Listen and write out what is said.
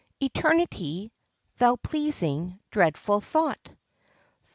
Eternity, thou pleasing, dreadful thought!